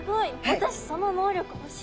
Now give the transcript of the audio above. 私その能力ほしい。